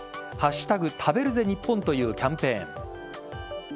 食べるぜニッポンというキャンペーン。